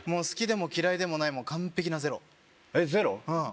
好きでも嫌いでもないもう完璧なゼロえゼロ？